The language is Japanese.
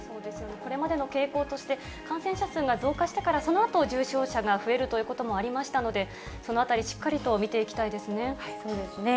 これまでの傾向として、感染者数が増加してから、そのあと重症者が増えるということもありましたので、そのあたり、しっかりと見ていきたいでそうですね。